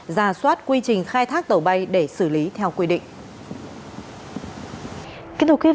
ra soát quy trình khai thác tàu bay để xử lý theo quy định